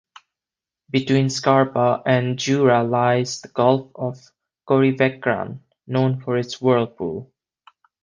Between Scarba and Jura lies the Gulf of Corryvreckan, known for its whirlpool.